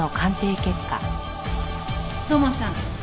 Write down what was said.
土門さん